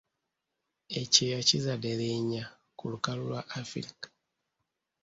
Ekyeya kizadde leenya ku lukalu lwa "Africa".